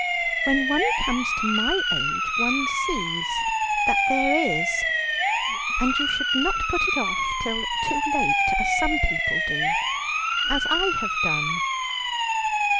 When one comes to my age one sees that there is and you should not put it off till too late as people sometimes as I have done."